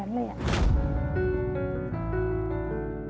นี่คือแสนแสนแสน